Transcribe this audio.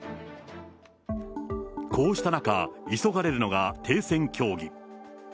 こうした中、急がれるのが停戦協議。